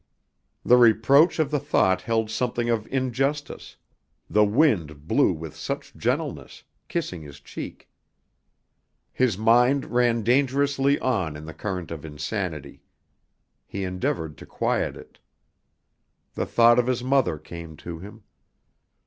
The reproach of the thought held something of injustice, the wind blew with such gentleness, kissing his cheek. His mind ran dangerously on in the current of insanity. He endeavored to quiet it. The thought of his mother came to him.